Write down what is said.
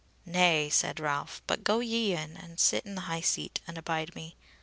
"Nay," said Ralph, "but go ye in and sit in the high seat and abide me.